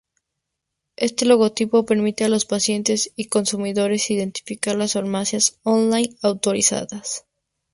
Este logotipo permite a los pacientes y consumidores identificar las farmacias on-line autorizadas.